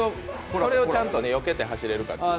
それをちゃんとよけて走れるか。